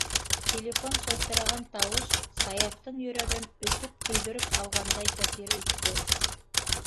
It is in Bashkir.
Телефон шылтыраған тауыш Саяфтың йөрәген өтөп- көйҙөрөп алғандай тәьҫир итте.